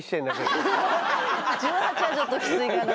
１８はちょっとキツいかな